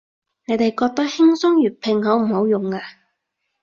你哋覺得輕鬆粵拼好唔好用啊